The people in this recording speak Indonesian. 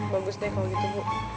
bagus deh kalau gitu bu